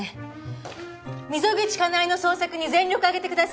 溝口カナエの捜索に全力挙げてください。